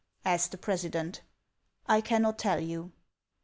asked the president. " I cannot tell you."